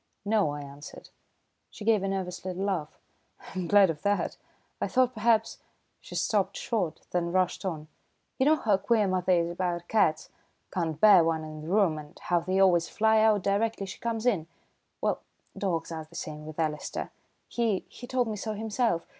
"No," I answered. She gave a nervous little laugh. "I'm glad of that. I thought perhaps " She stopped short, then rushed on, "You know how queer mother is about cats can't bear one in the room, and how they always fly out directly she comes in? Well, dogs are the same with Alister. He he told me so himself.